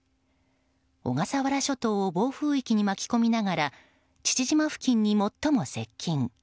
小笠原諸島を暴風域に巻き込みながら父島付近に最も接近。